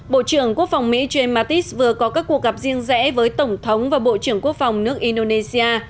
bộ trưởng quốc phòng mỹ james mattis vừa có các cuộc gặp riêng rẽ với tổng thống và bộ trưởng quốc phòng nước indonesia